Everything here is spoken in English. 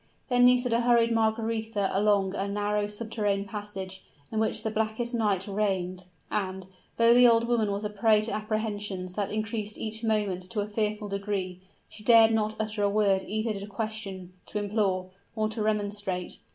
Then Nisida hurried Margaretha along a narrow subterranean passage, in which the blackest night reigned; and, though the old woman was a prey to apprehensions that increased each moment to a fearful degree, she dared not utter a word either to question to implore or to remonstrate.